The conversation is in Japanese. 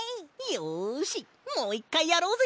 よしもういっかいやろうぜ！